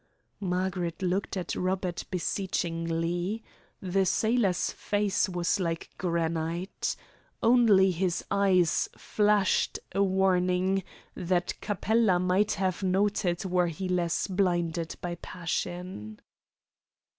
Margaret looked at Robert beseechingly. The sailor's face was like granite. Only his eyes flashed a warning that Capella might have noted were he less blinded by passion.